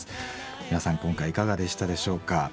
皆さん今回いかがでしたでしょうか。